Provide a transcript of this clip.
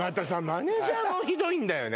マネージャーもひどいんだよね